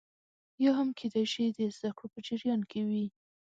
یا هم کېدای شي د زده کړو په جریان کې وي